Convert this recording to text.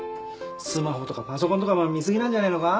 スマホとかパソコンとかお前見すぎなんじゃねえのか？